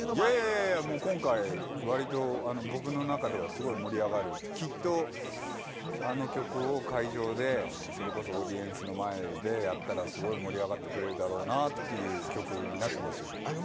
いやいや今回わりと僕の中ではすごい盛り上がるきっとあの曲を会場でそれこそオーディエンスの前でやったらすごい盛り上がってくれるだろうなっていう曲になってますよ。